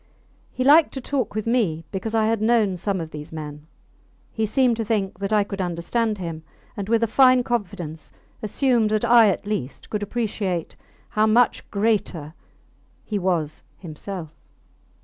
He liked to talk with me because I had known some of these men: he seemed to think that I could understand him, and, with a fine confidence, assumed that I, at least, could appreciate how much greater he was himself.